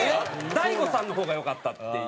大悟さんの方がよかったっていう。